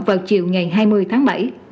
vào chiều ngày hai mươi tháng bảy